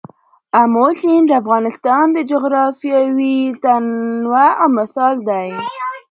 آمو سیند د افغانستان د جغرافیوي تنوع مثال دی.